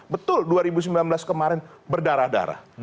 betul dua ribu sembilan belas kemarin berdarah darah